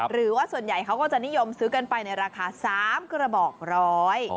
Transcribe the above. หรือว่าส่วนใหญ่เขาก็จะนิยมซื้อกันไปในราคา๓กระบอกร้อย